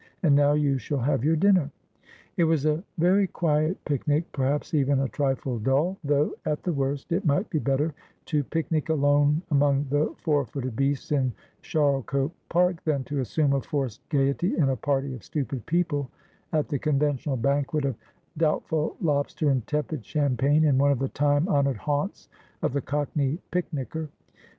And now you shall have your dinner.' It was a very quiet picnic, perhaps even a trifle dull ; though, at the worst, it might be better to picnic alone among the four footed beasts in Charlecote Park, than to assume a forced gaiety in a party of stupid people, at the conventional banquet of doubt ful lobster and tepid champagne, in one of the time honoured haunts of the cockney picknicker.